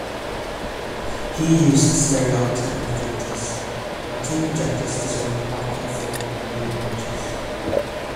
He used stereopticon projectors, where two projectors dissolved back and forth between images.